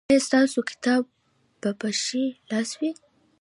ایا ستاسو کتاب به په ښي لاس وي؟